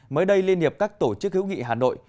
mới đây liên hiệp các tổ chức hữu nghị hà nội